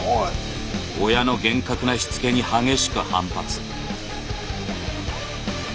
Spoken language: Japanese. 親の厳格なしつけに激しく反発。